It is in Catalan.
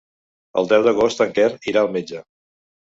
El deu d'agost en Quer irà al metge.